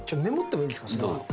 メモってもいいですか？